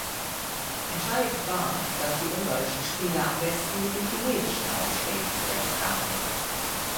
Entscheidend war, dass die ungarischen Spieler am besten mit den chinesischen Aufschlägen zurechtkamen.